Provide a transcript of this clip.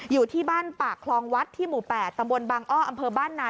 อยู่ที่บ้านปากคลองวัดที่หมู่๘ตำบลบางอ้ออำเภอบ้านนา